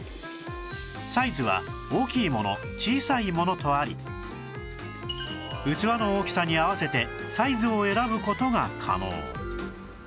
サイズは大きいもの小さいものとあり器の大きさに合わせてサイズを選ぶ事が可能